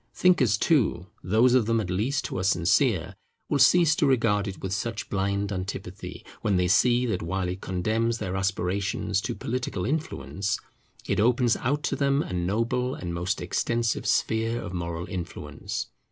Thinkers too, those of them at least who are sincere, will cease to regard it with such blind antipathy, when they see that while it condemns their aspirations to political influence, it opens out to them a noble and most extensive sphere of moral influence.